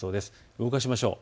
動かしましょう。